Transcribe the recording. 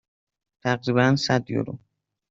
تقریبا صد یورو.